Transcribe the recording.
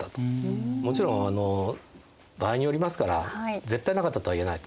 もちろん場合によりますから絶対なかったとはいえないと思いますね。